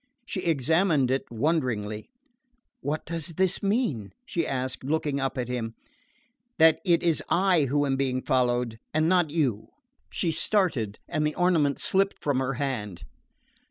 She examined it wonderingly. "What does this mean?" she asked, looking up at him. "That it is I who am being followed and not you." She started and the ornament slipped from her hand.